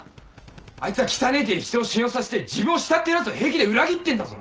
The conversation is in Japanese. あいつは汚ねぇ手でひとを信用させて自分を慕ってるヤツを平気で裏切ってんだぞ！